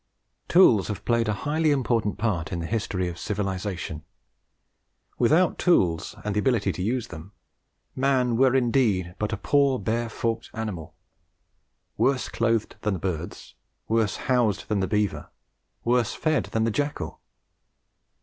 Tools have played a highly important part in the history of civilization. Without tools and the ability to use them, man were indeed but a "poor, bare, forked animal," worse clothed than the birds, worse housed than the beaver, worse fed than the jackal.